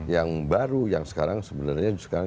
yang baru yang sekarang sebenarnya sekarang